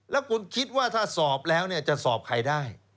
แล้วคุณคิดว่าถ้าสอบแล้วจะสอบใครได้